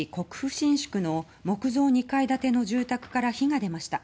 新宿の木造２階建ての住宅から火が出ました。